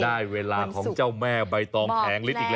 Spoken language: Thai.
ได้เวลาของเจ้าแม่ใบตองแผงลิดอีกแล้ว